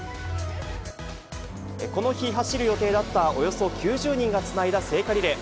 この日、走る予定だったおよそ９０人がつないだ聖火リレー。